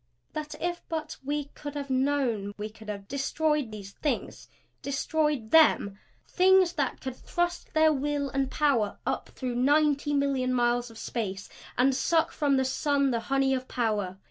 That if but we could have known we could have destroyed these Things Destroyed Them? Things that could thrust their will and power up through ninety million miles of space and suck from the sun the honey of power!